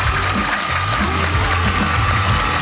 มันก็วางตึงตึงไปเลยอ่ะ